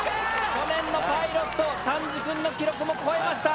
去年のパイロット丹治くんの記録も超えました。